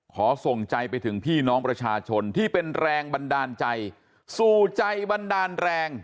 ขอส่งใจไปถึงพี่น้องประชาชนที่เป็นแรงบันดาลใจสู่ใจบันดาลแรง